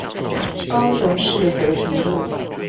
高雄市河堤路